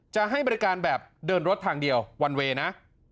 จะให้บริการแบบเดินรถทางเดียววันเวย์นะ